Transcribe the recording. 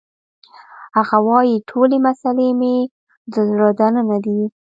هغه وایی ټولې مسلې مې د زړه دننه دي